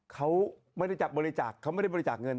เขาไม่ได้บริจาคเขาไม่ได้บริจาคเงิน